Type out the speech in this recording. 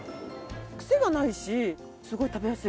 癖がないしすごい食べやすい。